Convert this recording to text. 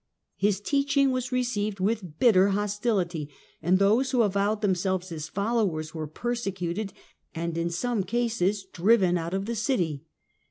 His teaching was received with bitter hostility, and those who avowed themselves The his followers were persecuted and in some cases driven 622 enga> out of the city.